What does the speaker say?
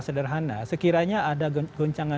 sederhana sekiranya ada goncangan